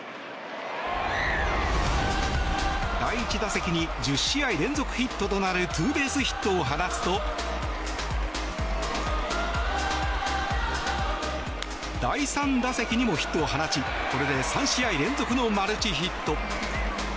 第１打席に１０試合連続ヒットとなるツーベースヒットを放つと第３打席にもヒットを放ちこれで３試合連続のマルチヒット。